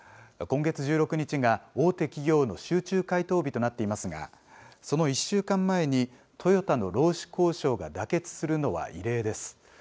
今月１６日が大手企業の集中回答日となっていますが、その１週間前に、トヨタの労使交渉が妥結するのは異例です。